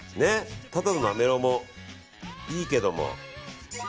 ただのなめろうもいいけども。